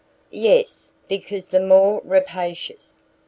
"Yes, because the more rapacious.